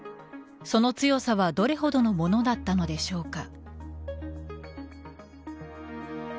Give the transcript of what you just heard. その強さは、どれほどのものだったのでしょうか。